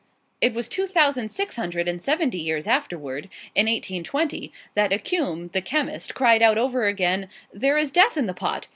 It was two thousand six hundred and seventy years afterward, in 1820, that Accum, the chemist cried out over again, "There is death in the pot!"